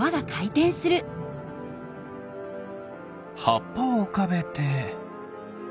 はっぱをうかべて。